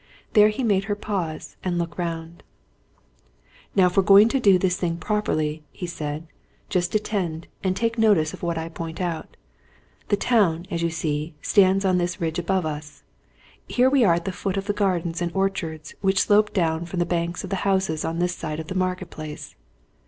There he made her pause and look round. "Now if we're going to do the thing properly," he said, "just attend, and take notice of what I point out. The town, as you see, stands on this ridge above us. Here we are at the foot of the gardens and orchards which slope down from the backs of the houses on this side of the Market Place.